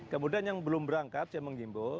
kemudian yang belum berangkat saya menghimbau